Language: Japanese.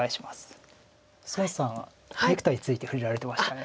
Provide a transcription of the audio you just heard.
孫さんネクタイについて触れられてましたね。